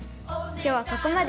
今日はここまで。